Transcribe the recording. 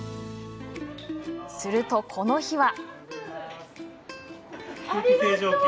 すると、この日は。